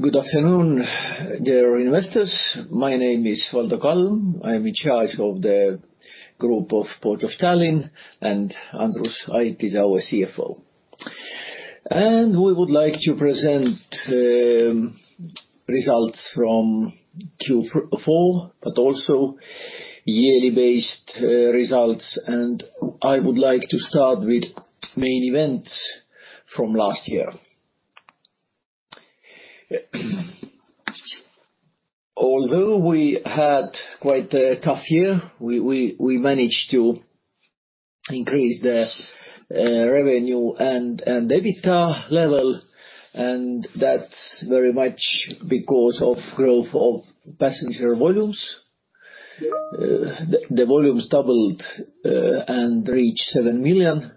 Good afternoon, dear investors. My name is Valdo Kalm. I am in charge of the group of Port of Tallinn, and Andrus Ait is our CFO. We would like to present results from Q4, but also yearly based results. I would like to start with main events from last year. Although we had quite a tough year, we managed to increase the revenue and EBITDA level, and that's very much because of growth of passenger volumes. The volumes doubled and reached 7 million,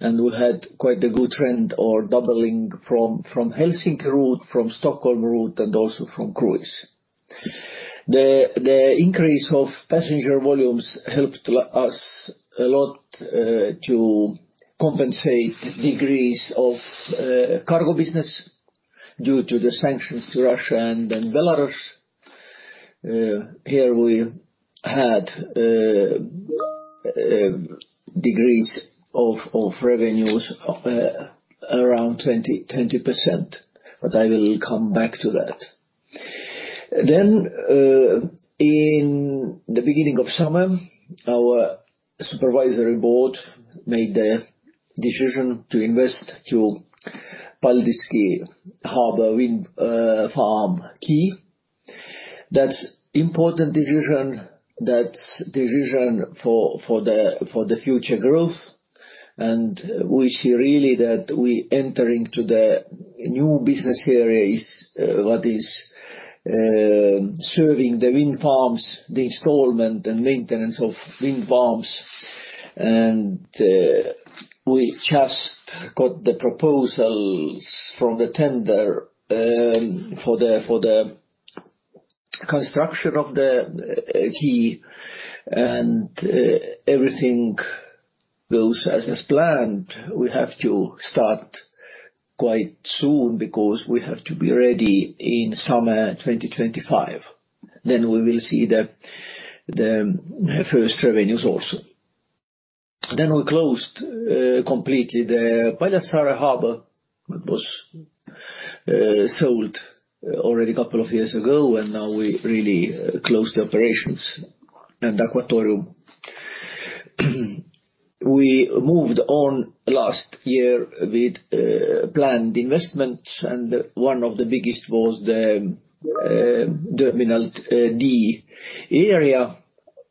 and we had quite a good trend or doubling from Helsinki route, from Stockholm route, and also from cruise. The increase of passenger volumes helped us a lot to compensate decrease of cargo business due to the sanctions to Russia and Belarus. Here we had a decrease of revenues around 20%. I will come back to that. In the beginning of summer, our supervisory board made the decision to invest to Paldiski Harbor wind farm quay. That's important decision. That's decision for the future growth. We see really that we entering to the new business areas, what is serving the wind farms, the installment and maintenance of wind farms. We just got the proposals from the tender for the construction of the quay, and everything goes as planned. We have to start quite soon because we have to be ready in summer 2025, we will see the first revenues also. We closed completely the Paljassaare Harbor. It was sold already couple of years ago. Now we really closed the operations and aquatorium. We moved on last year with planned investments. One of the biggest was the Terminal D area.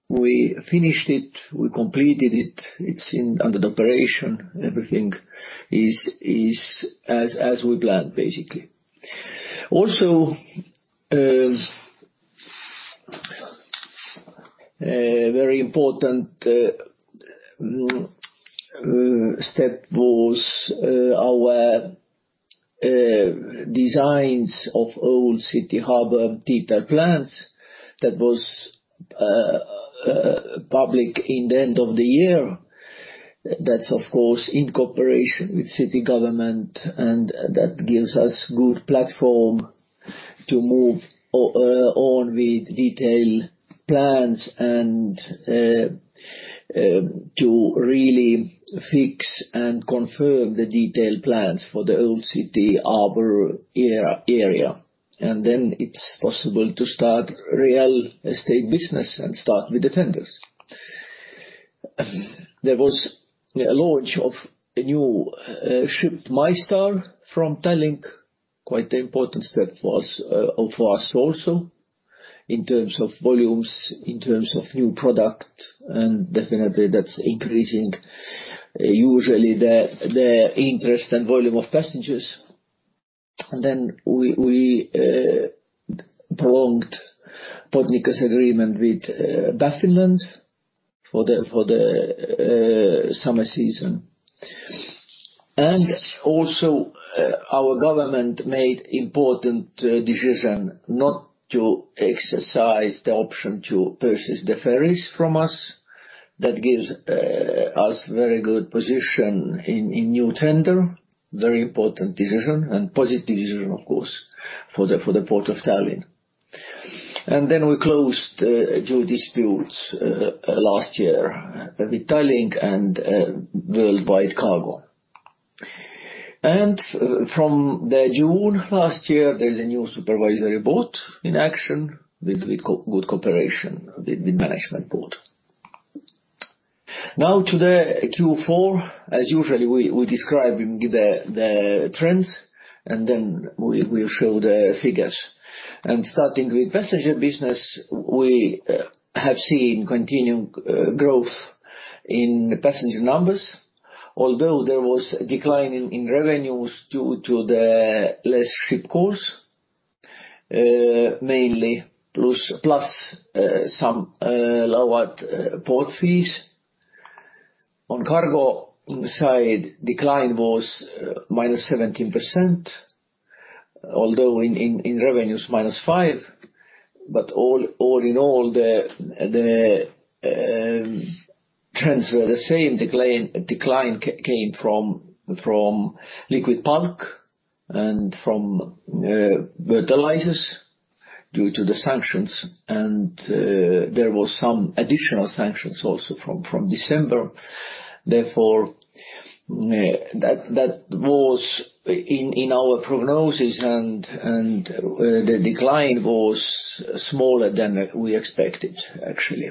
We finished it. We completed it. It's under the operation. Everything is as we planned, basically. Also, a very important step was our designs of Old City Harbor detailed plans that was public in the end of the year. That's of course in cooperation with city government, and that gives us good platform to move on with detailed plans and to really fix and confirm the detailed plans for the Old City Harbor area. Then it's possible to start real estate business and start with the tenders. There was a launch of a new ship MyStar from Tallink, quite important step was of us also in terms of volumes, in terms of new product, and definitely that's increasing usually the interest and volume of passengers. We prolonged Tallink's agreement with Gotland for the summer season. Our government made important decision not to exercise the option to purchase the ferries from us. That gives us very good position in new tender. Very important decision and positive decision, of course, for the Port of Tallinn. We closed two disputes last year with Tallink and Worldwide Cargo. From the June last year, there's a new supervisory board in action with good cooperation with management board. Now to the Q4. As usually we describe in the trends, and then we show the figures. Starting with passenger business, we have seen continued growth in passenger numbers, although there was a decline in revenues due to the less ship calls, mainly plus some lowered port fees. On cargo side, decline was -17% although in revenues -5%, but all in all, the trends were the same. Decline came from liquid bulk and from fertilizers due to the sanctions. There was some additional sanctions also from December. Therefore, that was in our prognosis and the decline was smaller than we expected actually.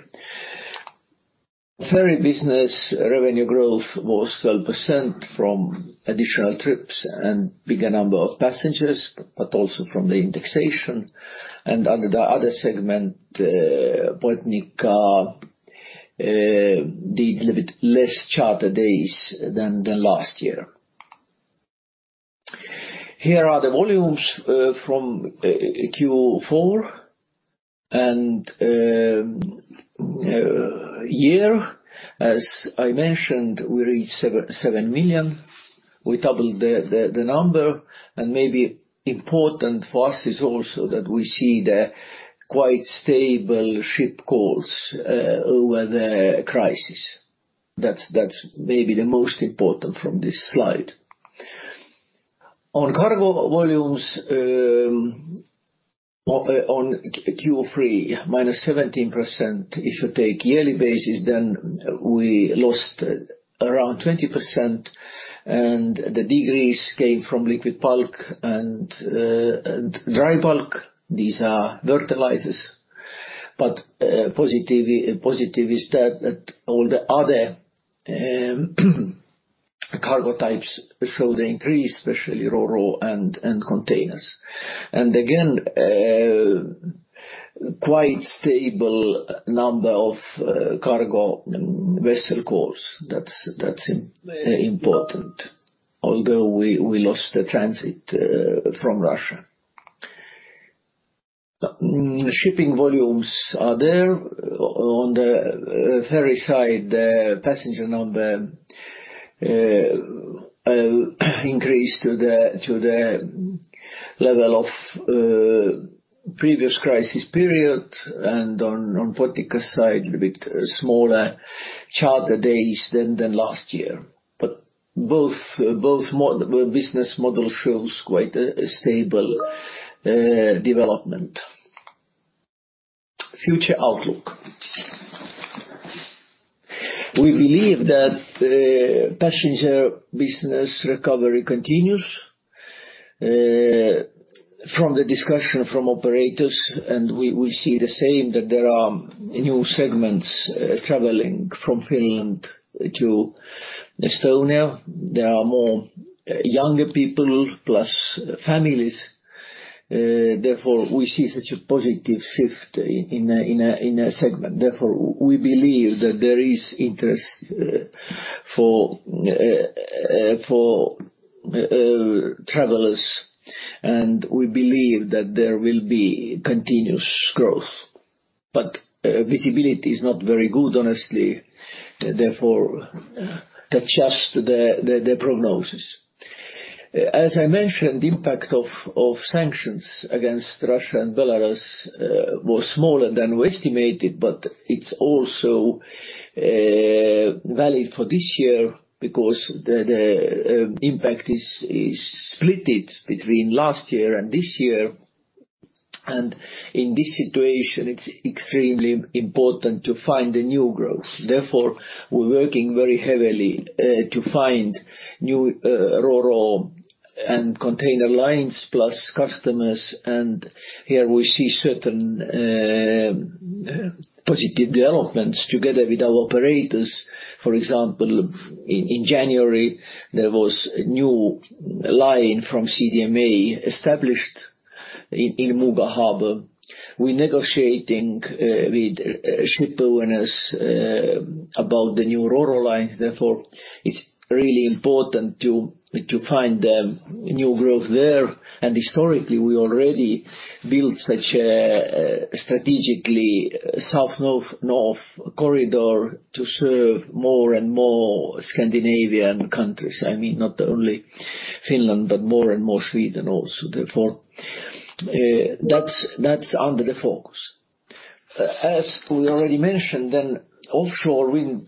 Ferry business revenue growth was 12% from additional trips and bigger number of passengers, but also from the indexation. Under the other segment, Botnica did a bit less charter days than the last year. Here are the volumes from Q4 and year. As I mentioned, we reached 7 million. We doubled the number. Maybe important for us is also that we see the quite stable ship calls over the crisis. That's maybe the most important from this slide. On cargo volumes, on Q3, -17%. If you take yearly basis, then we lost around 20%, and the decrease came from liquid bulk and dry bulk. These are fertilizers. Positive is that all the other cargo types show the increase, especially ro-ro and containers. Again, a quite stable number of cargo vessel calls. That's important, although we lost the transit from Russia. The shipping volumes are there. On the ferry side, the passenger number increased to the level of previous crisis period. On Botnica side, a bit smaller charter days than last year. Both business model shows quite a stable development. Future outlook. We believe that passenger business recovery continues from the discussion from operators, and we see the same, that there are new segments traveling from Finland to Estonia. There are more younger people plus families. Therefore, we see such a positive shift in a segment. Therefore, we believe that there is interest for travelers, and we believe that there will be continuous growth. Visibility is not very good, honestly. Therefore, adjust the prognosis. As I mentioned, impact of sanctions against Russia and Belarus was smaller than we estimated, but it's also valid for this year because the impact is split between last year and this year. In this situation, it's extremely important to find the new growth. Therefore, we're working very heavily to find new ro-ro and container lines plus customers. Here we see certain positive developments together with our operators. For example, in January, there was a new line from CMA established in Muuga Harbor. We're negotiating with shipowners about the new ro-ro line. Therefore, it's really important to find the new growth there. Historically, we already built such a strategically south, north corridor to serve more and more Scandinavian countries. I mean, not only Finland, but more and more Sweden also. Therefore, that's under the focus. As we already mentioned, then offshore wind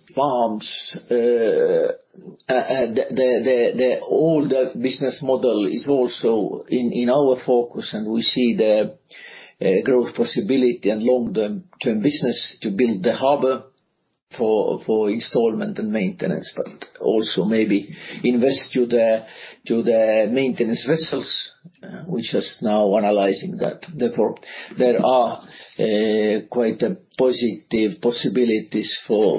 farms, the older business model is also in our focus, and we see the growth possibility and long-term business to build the harbor for installment and maintenance, but also maybe invest to the maintenance vessels. We're just now analyzing that. Therefore, there are quite a positive possibilities for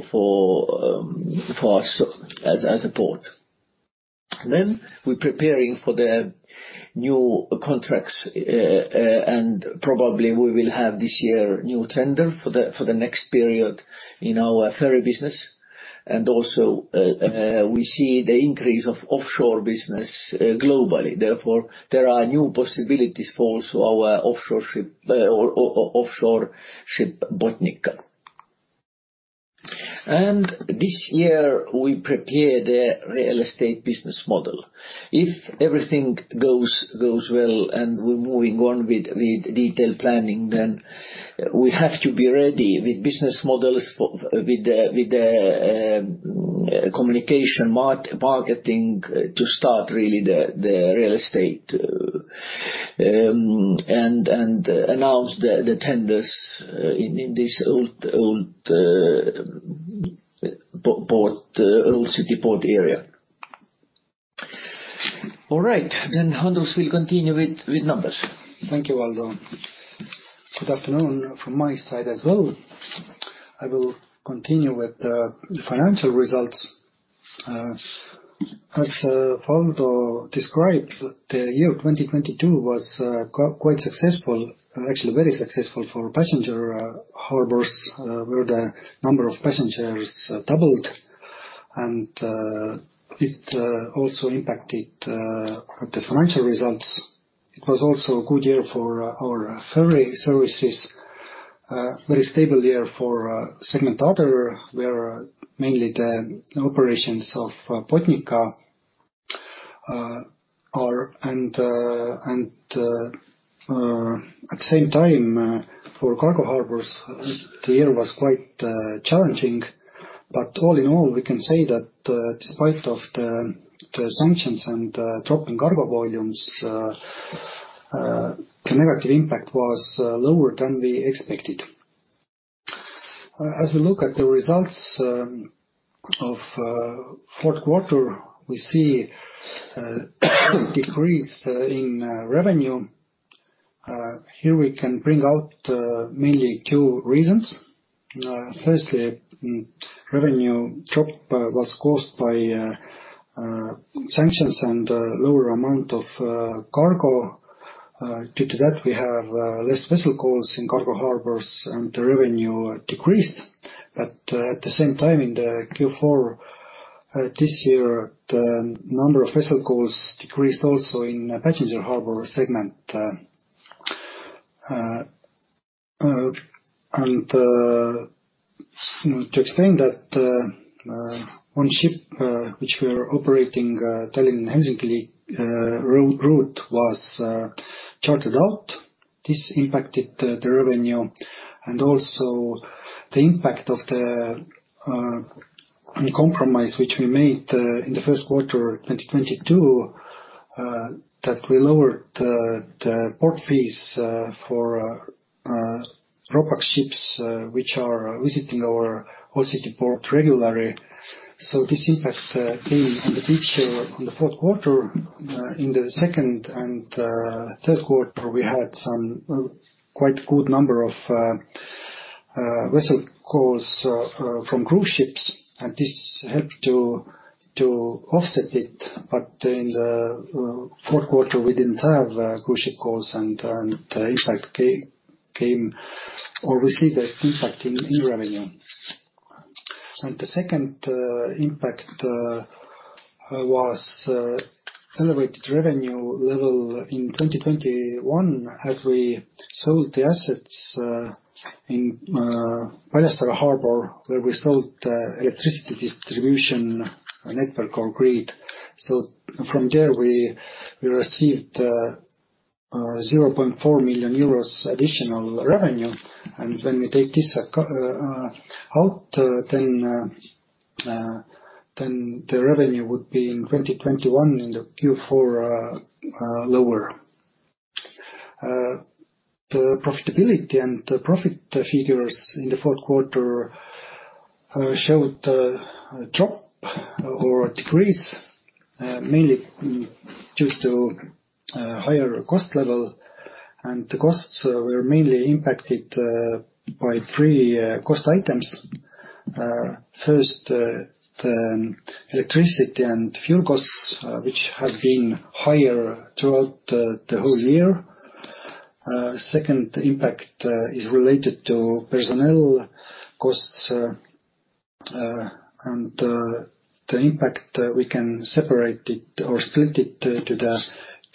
us as a port. We're preparing for the new contracts, and probably we will have this year new tender for the next period in our ferry business. Also, we see the increase of offshore business globally. Therefore, there are new possibilities for also our offshore ship Botnica. This year, we prepare the real estate business model. If everything goes well and we're moving on with detailed planning, we have to be ready with business models for with the communication marketing to start really the real estate and announce the tenders in this old port old city port area. All right. Andrus will continue with numbers. quite successful, actually very successful for passenger harbors, where the number of passengers doubled. It also impacted the financial results. It was also a good year for our ferry services. Very stable year for segment other, where mainly the operations of Botnica are. At the same time, for cargo harbors, the year was quite challenging. All in all, we can say that despite of the sanctions and dropping cargo volumes, the negative impact was lower than we expected. As we look at the results of fourth quarter, we see decrease in revenue. Here we can bring out mainly two reasons. Firstly, revenue drop was caused by sanctions and lower amount of cargo. Due to that, we have less vessel calls in cargo harbors, and the revenue decreased. At the same time in the Q4 this year, the number of vessel calls decreased also in passenger harbor segment. To explain that, one ship which we are operating Tallinn-Helsinki ro-route was chartered out. This impacted the revenue and also the impact of the compromise which we made in the first quarter 2022 that we lowered the port fees for Ro-Pax ships which are visiting our Old City Port regularly. This impact came on the picture on the fourth quarter. In the second and third quarter, we had some quite good number of vessel calls from cruise ships, and this helped to offset it. In the fourth quarter, we didn't have cruise ship calls, and the impact came or we see the impact in revenue. The second impact was elevated revenue level in 2021 as we sold the assets in Paljassaare Harbor, where we sold electricity distribution network or grid. From there, we received 0.4 million euros additional revenue. When we take this out, the revenue would be in 2021 in the Q4 lower. The profitability and the profit figures in the fourth quarter showed a drop or a decrease mainly due to higher cost level. The costs were mainly impacted by three cost items. First, the electricity and fuel costs, which have been higher throughout the whole year. Second impact is related to personnel costs, and the impact we can separate it or split it to the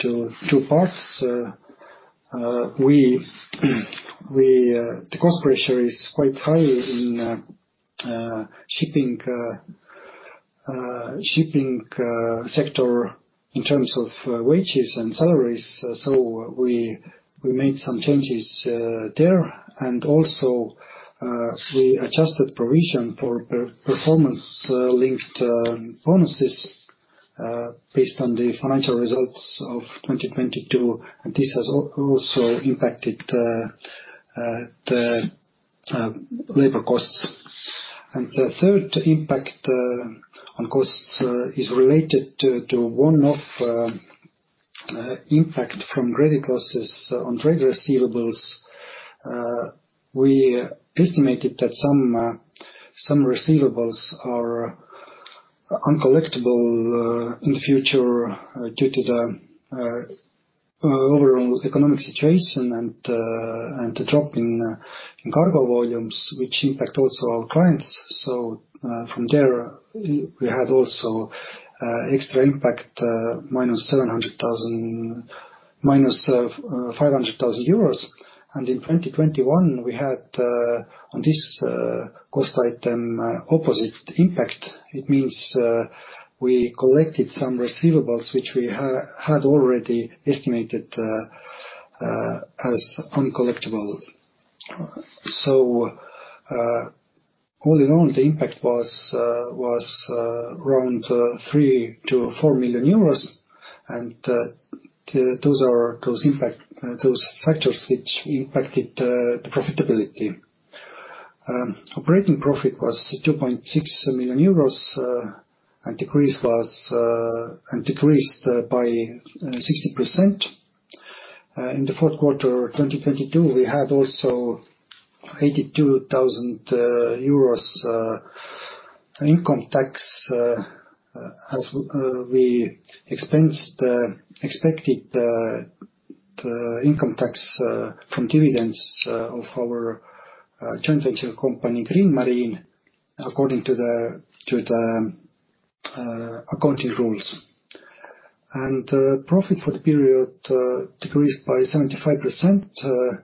two parts. The cost pressure is quite high in shipping sector in terms of wages and salaries. We made some changes there. Also, we adjusted provision for performance-linked bonuses based on the financial results of 2022, and this has also impacted the labor costs. The third impact on costs is related to one of impact from credit losses on trade receivables. We estimated that some receivables are uncollectible in the future due to the overall economic situation and the drop in cargo volumes, which impact also our clients. From there, we had also extra impact, -500,000 euros. In 2021, we had on this cost item opposite impact. It means we collected some receivables, which we had already estimated as uncollectible. All in all, the impact was around 3 million-4 million euros and those are those impact those factors which impacted the profitability. Operating profit was 2.6 million euros and decreased by 60%. In the fourth quarter of 2022, we had also 82,000 euros income tax as we expensed the expected the income tax from dividends of our joint venture company, Green Marine, according to the accounting rules. Profit for the period decreased by 75%.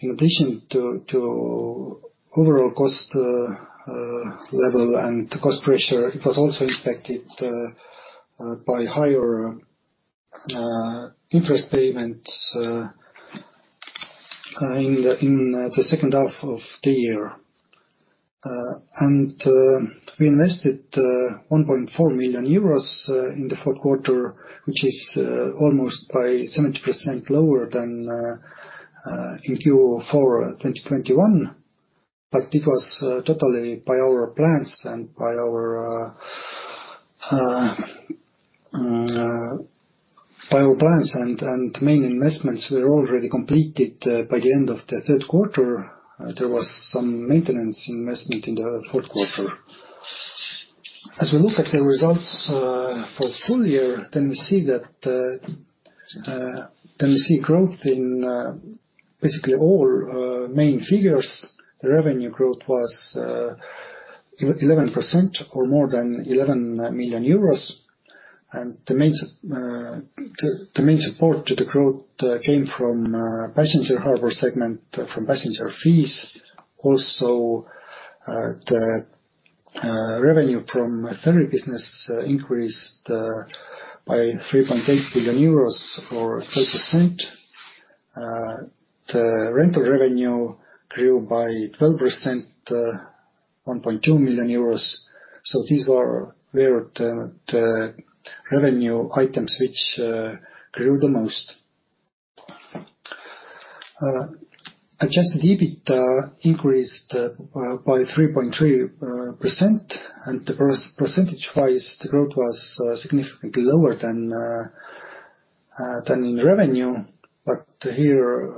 In addition to overall cost level and cost pressure, it was also impacted by higher interest payments in the second half of the year. We invested 1.4 million euros in the fourth quarter, which is almost by 70% lower than in Q4 2021, but it was totally by our plans and main investments were already completed by the end of the third quarter. There was some maintenance investment in the fourth quarter. As we look at the results for full year, then we see that we see growth in basically all main figures. The revenue growth was 11% or more than 11 million euros. The main support to the growth came from passenger harbor segment from passenger fees. The revenue from ferry business increased by 3.8 billion euros or 30%. The rental revenue grew by 12%, 1.2 million euros. These were the revenue items which grew the most. Adjusted EBIT increased by 3.3%, and percentage wise, the growth was significantly lower than in revenue. Here,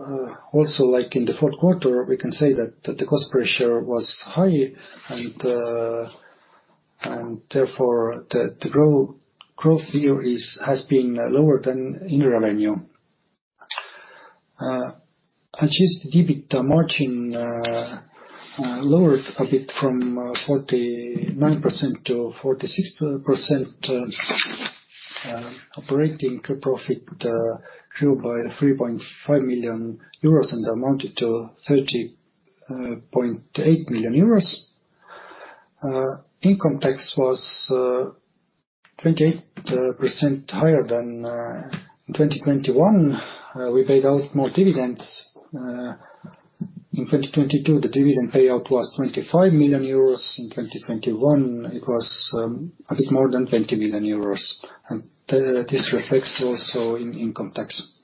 also like in the fourth quarter, we can say that the cost pressure was high and therefore the growth here is has been lower than in revenue. Adjusted EBITDA margin lowered a bit from 49%-46%. Operating profit grew by 3.5 million euros and amounted to 30.8 million euros. Income tax was 28% higher than in 2021. We paid out more dividends. In 2022, the dividend payout was 25 million euros. In 2021, it was a bit more than 20 million euros, and this reflects also in income tax.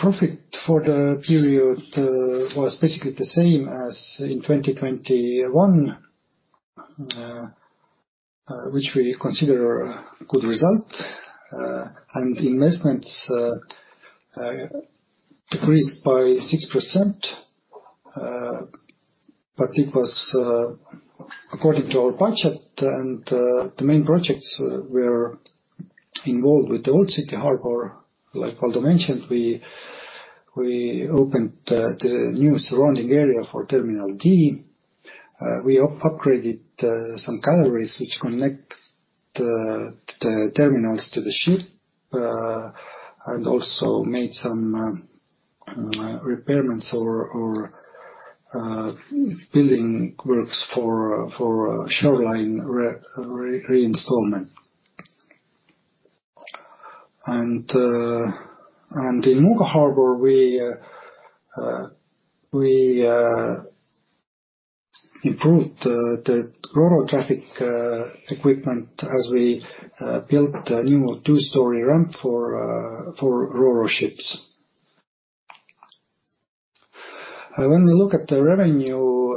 Profit for the period was basically the same as in 2021, which we consider a good result. Investments decreased by 6%, but it was according to our budget, and the main projects were involved with the Old City Harbor. Like Valdo mentioned, we opened the new surrounding area for Terminal D. We upgraded some galleries which connect the terminals to the ship and also made some repairments or building works for shoreline reinstallation. In Muuga Harbor, we improved the ro-ro traffic equipment as we built a new two-story ramp for ro-ro ships. When we look at the revenue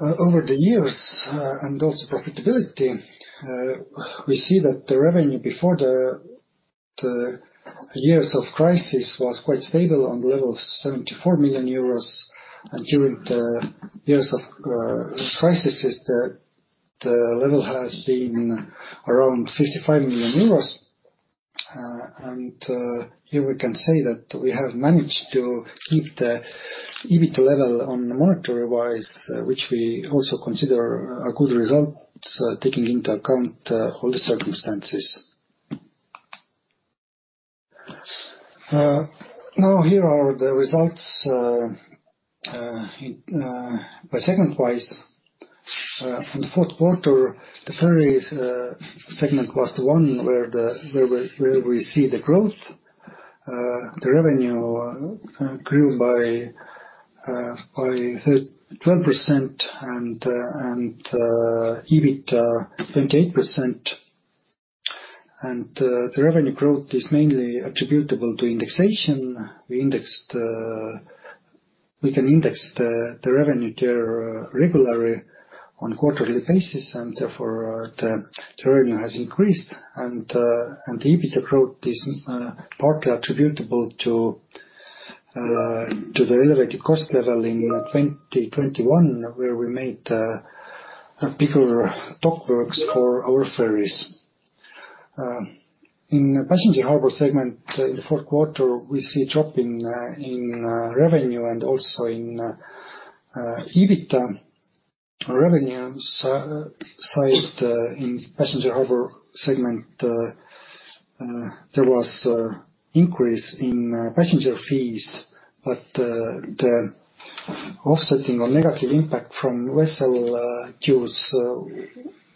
over the years and also profitability, we see that the revenue before the years of crisis was quite stable on the level of 74 million euros. During the years of crisis, the level has been around 55 million euros. Here we can say that we have managed to keep the EBIT level on monetary-wise, which we also consider a good result, taking into account all the circumstances. Now here are the results by segment-wise. In the fourth quarter, the Ferries segment was the one where we see the growth. The revenue grew by 12% and EBITDA 28%. The revenue growth is mainly attributable to indexation. We indexed. We can index the revenue there regularly on a quarterly basis, and therefore the revenue has increased, and the EBITDA growth is partly attributable to the elevated cost level in 2021, where we made bigger dock works for our ferries. In Passenger Harbor segment in the fourth quarter, we see a drop in revenue and also in EBITDA. Revenue side, in Passenger Harbor segment, there was increase in passenger fees, but the offsetting or negative impact from vessel dues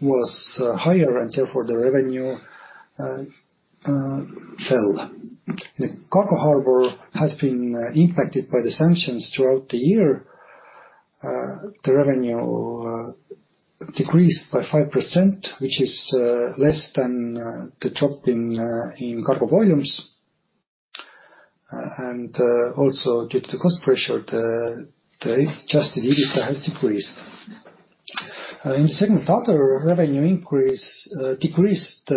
was higher, therefore the revenue fell. The Cargo Harbor has been impacted by the sanctions throughout the year. The revenue decreased by 5%, which is less than the drop in cargo volumes. Also due to the cost pressure, the adjusted EBIT has decreased. In segment Other, revenue decreased,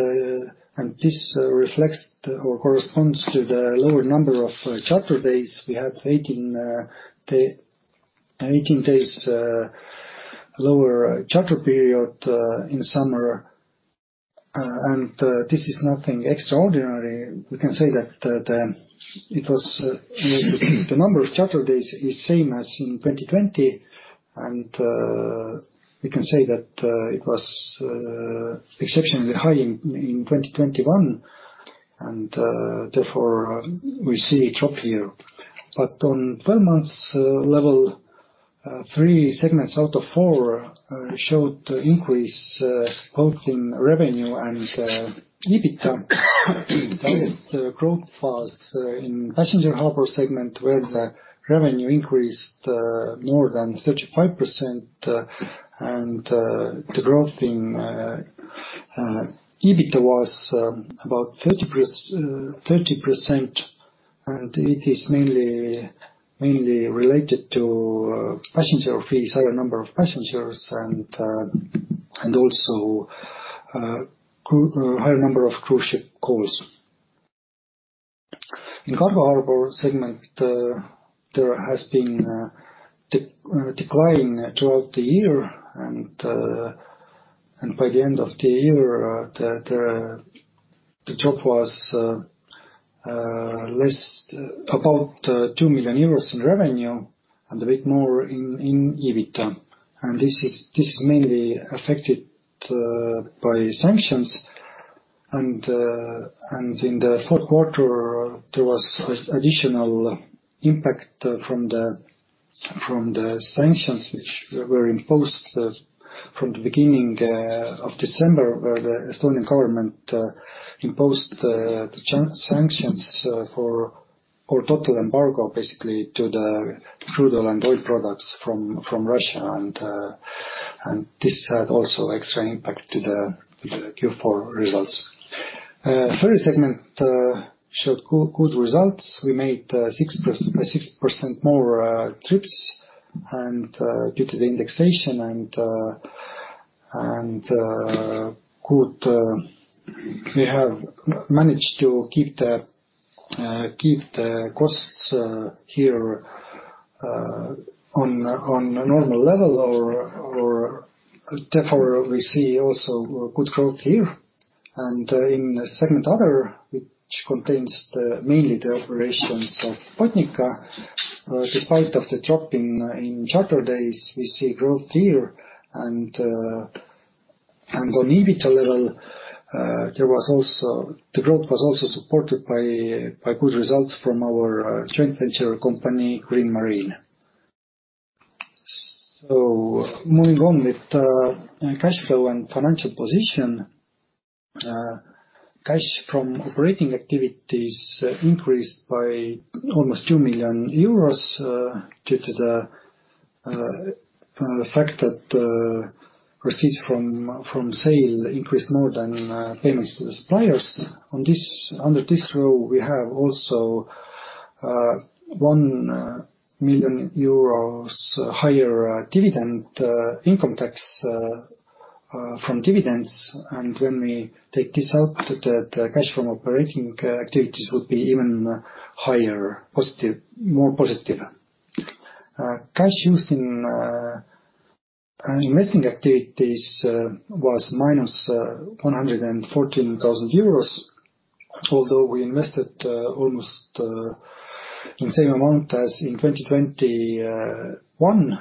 and this reflects or corresponds to the lower number of charter days. We had 18 days lower charter period in summer. This is nothing extraordinary. We can say that, you know, the number of charter days is same as in 2020. We can say that it was exceptionally high in 2021, and therefore we see a drop here. On 12 months level, three segments out of four showed increase both in revenue and EBIT. The highest growth was in Passenger Harbor segment, where the revenue increased more than 35%, and the growth in EBIT was about 30%, and it is mainly related to passenger fees, higher number of passengers, and also higher number of cruise ship calls. In Cargo Harbor segment, there has been a decline throughout the year and by the end of the year, the drop was about 2 million euros in revenue and a bit more in EBITDA. This is mainly affected by sanctions, and in the fourth quarter, there was a additional impact from the sanctions which were imposed from the beginning of December, where the Estonian government imposed the sanctions for... or total embargo basically to the crude oil and oil products from Russia. This had also extra impact to the Q4 results. Ferry segment showed good results. We made 6% more trips and due to the indexation and We have managed to keep the costs here on a normal level or therefore, we see also good growth here. In segment Other, which contains mainly the operations of Botnica, despite of the drop in charter days, we see growth here. On EBITDA level, the growth was also supported by good results from our joint venture company, Green Marine. Moving on with cash flow and financial position. Cash from operating activities increased by almost 2 million euros due to the fact that proceeds from sale increased more than payments to the suppliers. Under this row, we have also 1 million euros higher dividend income tax from dividends. When we take this out, the cash from operating activities would be even higher positive, more positive. Cash used in financing and investing activities was -114,000 euros, although we invested almost in same amount as in 2021.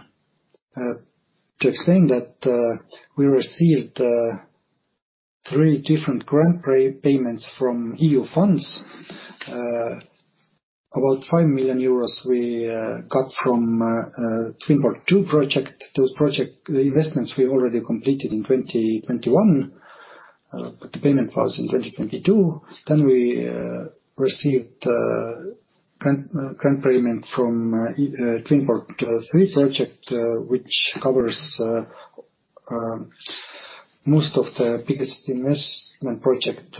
To explain that, we received three different grant payments from EU funds. About 5 million euros we got from TWIN-PORT 2 project. Those project investments we already completed in 2021, but the payment was in 2022. We received grant payment from TWIN-PORT 3 project which covers most of the biggest investment project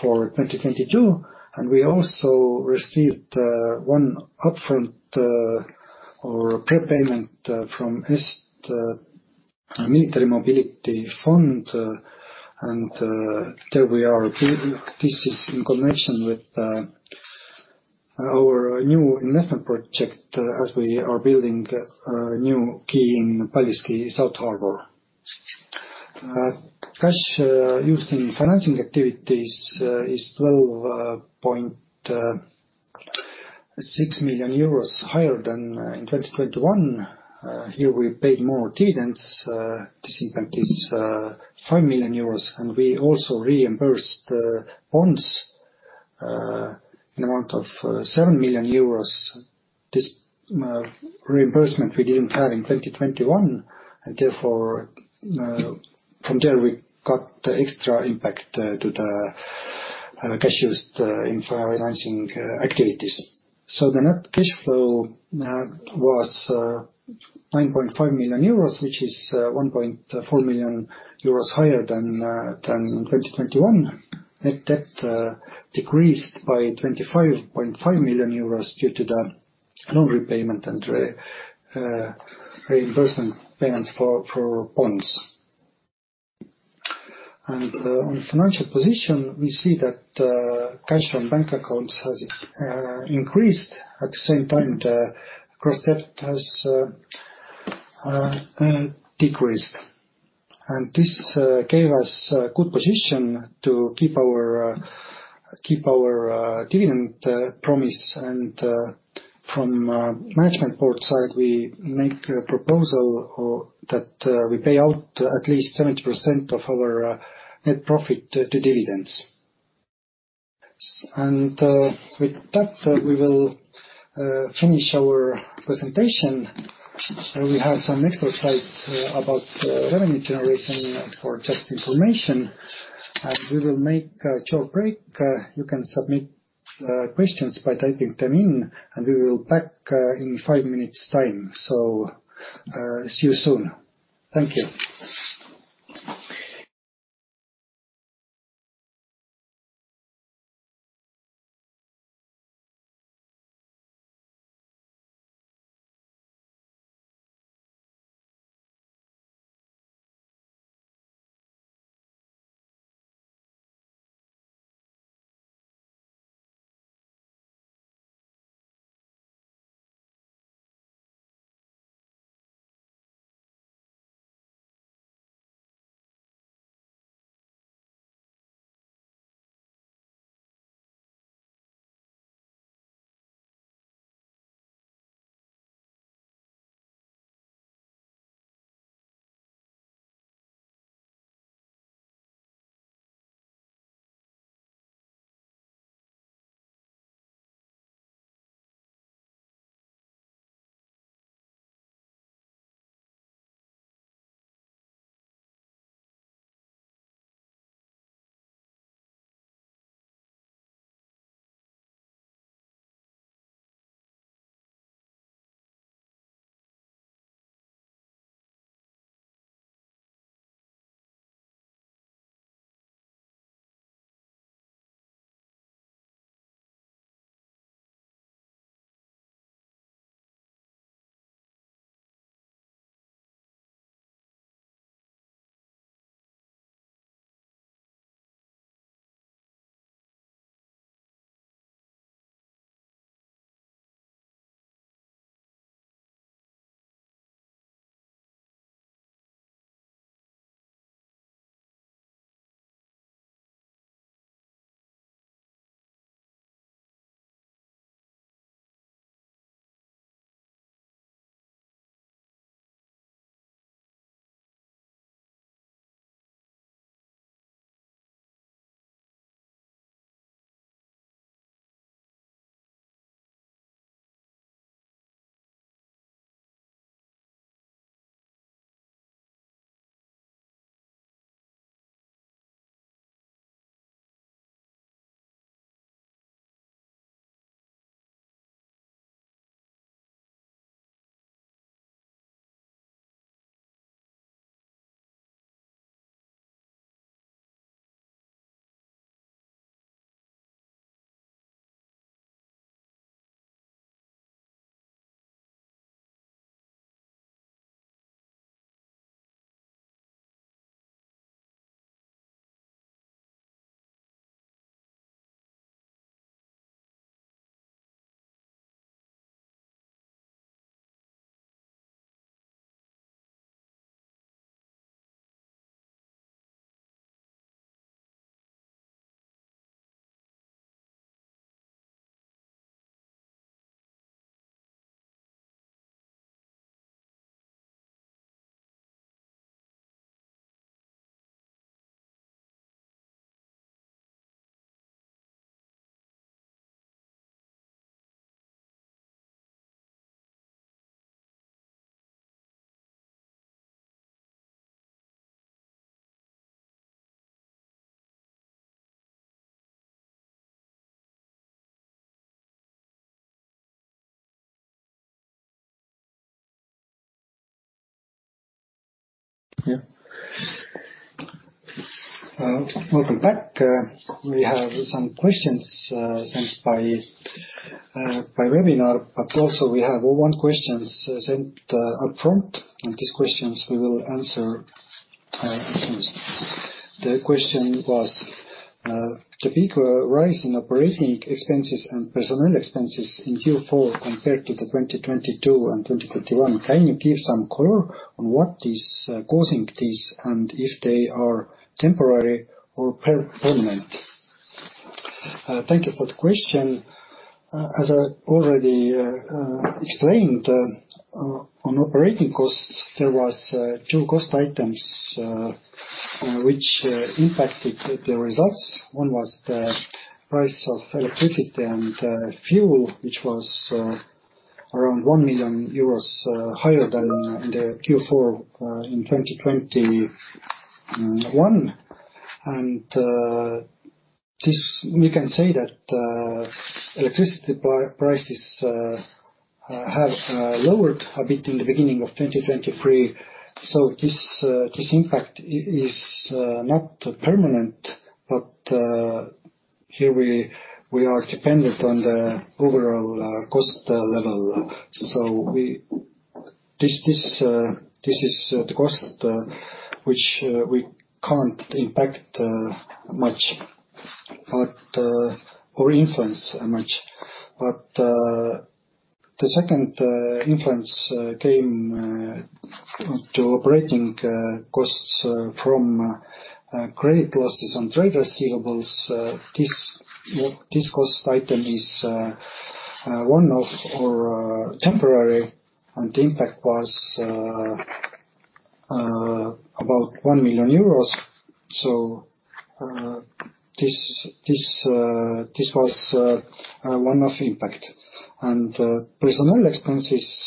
for 2022. We also received one upfront or prepayment from Military Mobility Fund and there we are this is in connection with our new investment project as we are building a new key in Paldiski South Harbour. Cash used in financing activities is 12.6 million euros higher than in 2021. Here we paid more dividends. This impact is 5 million euros, and we also reimbursed bonds in amount of 7 million euros. This reimbursement we didn't have in 2021, and therefore, from there we got the extra impact to the cash used in financing activities. The net cash flow was 9.5 million euros, which is 1.4 million euros higher than in 2021. Net debt decreased by 25.5 million euros due to the loan repayment and reimbursement payments for bonds. On financial position, we see that cash on bank accounts has increased. At the same time the gross debt has decreased. This gave us a good position to keep our dividend promise. From Management Board side, we make a proposal or that we pay out at least 70% of our net profit to dividends. With that, we will finish our presentation. We have some extra slides about revenue generation for just information, and we will make a short break. You can submit questions by typing them in, and we will back in five minutes' time. See you soon. Thank you. Yeah. Welcome back. We have some questions sent by by webinar, but also we have one questions sent upfront, and these questions we will answer soon. The question was, the big rise in operating expenses and personnel expenses in Q4 compared to the 2022 and 2021. Can you give some color on what is causing this and if they are temporary or permanent? Thank you for the question. As I already explained, on operating costs, there was two cost items which impacted the results. One was the price of electricity and fuel, which was around 1 million euros higher than the Q4 in 2021. This we can say that electricity prices have lowered a bit in the beginning of 2023, so this impact is not permanent. Here we are dependent on the overall cost level. We... This is the cost, which we can't impact much, or influence much. The second influence came to operating costs from credit losses and trade receivables. This cost item is one-off or temporary, and the impact was about EUR 1 million. This was a one-off impact. Personnel expenses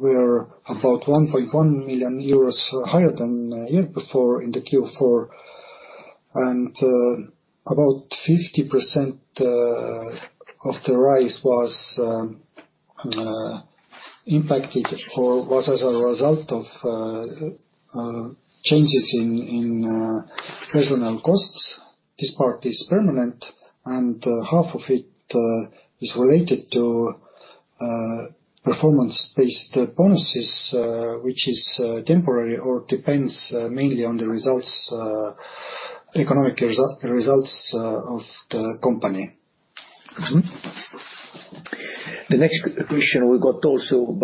were about 1.1 million euros higher than a year before in the Q4. About 50% of the rise was impacted or was as a result of changes in personnel costs. This part is permanent, and half of it is related to performance-based bonuses, which is temporary or depends mainly on the results, economic results, of the company. The next question we got also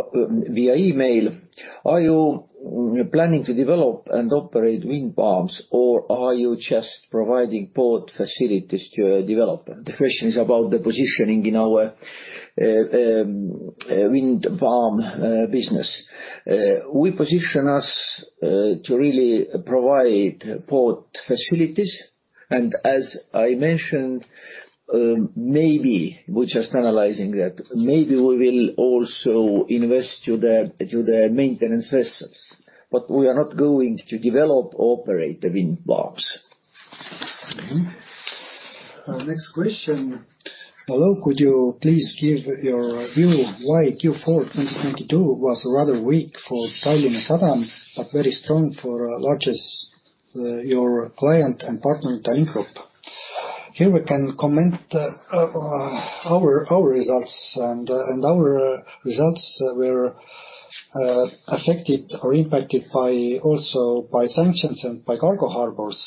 via email. Are you planning to develop and operate wind farms or are you just providing port facilities to a developer? The question is about the positioning in our wind farm business. We position us to really provide port facilities. As I mentioned, maybe, we're just analyzing that, maybe we will also invest to the maintenance vessels. We are not going to develop or operate the wind farms. Next question. Hello, could you please give your view why Q4 2022 was rather weak for Tallinna Sadam but very strong for largest your client and partner Tallink Grupp? Here we can comment our results. Our results were affected or impacted by also by sanctions and by cargo harbors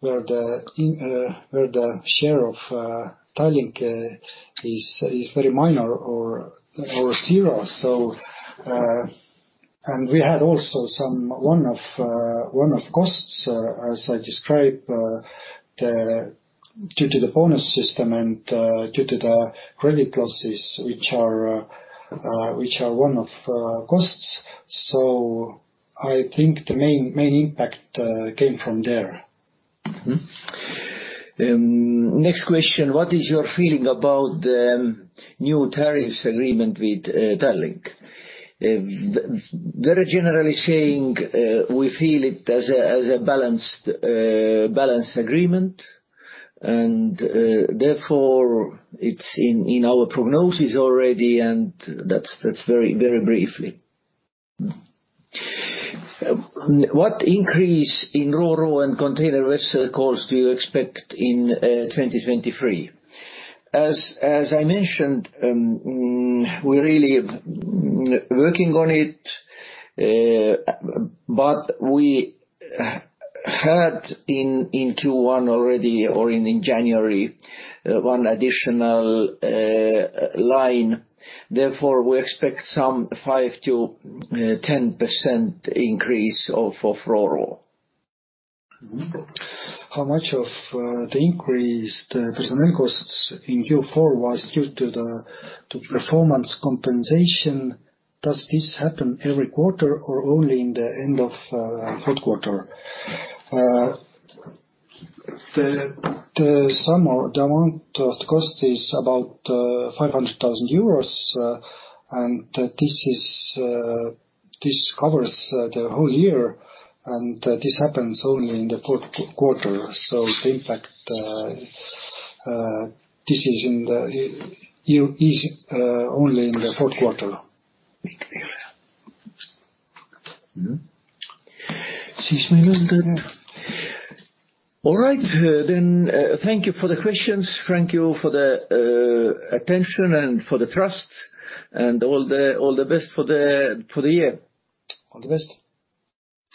where the share of Tallink is very minor or zero. We had also some one-off costs as I described Due to the bonus system and due to the credit losses which are one-off costs. I think the main impact came from there. Next question. What is your feeling about the new tariffs agreement with Tallink? Very generally saying, we feel it as a balanced agreement, therefore it's in our prognosis already. That's very, very briefly. What increase in ro-ro and container vessel costs do you expect in 2023? As I mentioned, we're really working on it. We had in Q1 already or in January, one additional line. Therefore, we expect some 5%-10% increase of ro-ro. Mm-hmm. How much of the increased personnel costs in Q4 was due to performance compensation? Does this happen every quarter or only in the end of fourth quarter? The sum or the amount of cost is about 500,000 euros. This is, this covers the whole year. This happens only in the fourth quarter. The impact, this is in the year, is only in the fourth quarter. Mm-hmm. All right. Thank you for the questions. Thank you for the attention and for the trust and all the best for the year. All the best.